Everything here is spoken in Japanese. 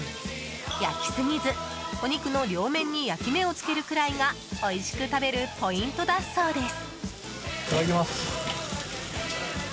焼きすぎず、お肉の両面に焼き目をつけるくらいがおいしく食べるポイントだそうです。